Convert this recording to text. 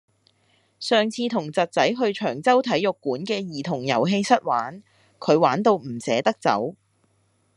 上次同侄仔去長洲體育館嘅兒童遊戲室玩，佢玩到唔捨得走。